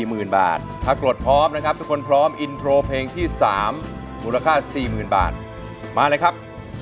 หมื่นบาทถ้ากรดพร้อมนะครับทุกคนพร้อมอินโทรเพลงที่๓มูลค่า๔๐๐๐บาทมาเลยครับ